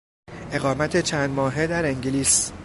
اقامت چند ماهه در انگلیس